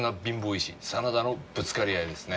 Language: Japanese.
医師真田のぶつかり合いですね。